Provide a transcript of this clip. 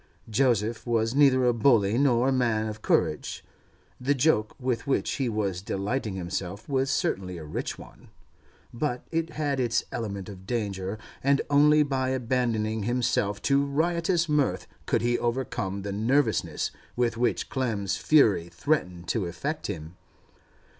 Joseph was neither a bully nor a man of courage; the joke with which he was delighting himself was certainly a rich one, but it had its element of danger, and only by abandoning himself to riotous mirth could he overcome the nervousness with which Clem's fury threatened to affect him.